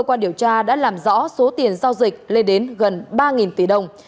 cơ quan điều tra đã làm rõ số tiền giao dịch lên đến gần ba tỷ đồng